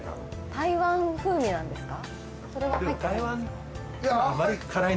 台湾風味なんですか？